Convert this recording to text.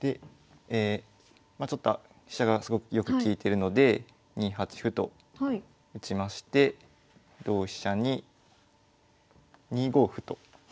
まあちょっと飛車がすごくよく利いてるので２八歩と打ちまして同飛車に２五歩と。